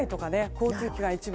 交通機関が一部。